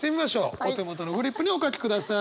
お手元のフリップにお書きください。